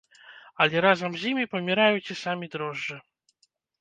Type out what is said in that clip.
Але разам з імі паміраюць і самі дрожджы.